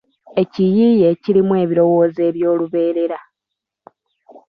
Ekiyiiye ekirimu ebirowoozo eby’olubeerera